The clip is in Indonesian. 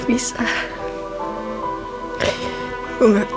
apa emang udah